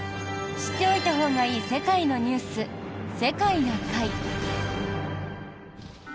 知っておいたほうがいい世界のニュース、「世界な会」。